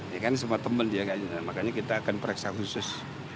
ya kan semua teman dia makanya kita akan periksa khusus